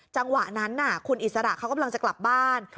จังหวะนั้นคุณอิสระเขากำลังจะกลับบ้าน